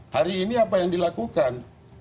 hari ini apa yang dilakukan